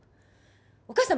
お母さん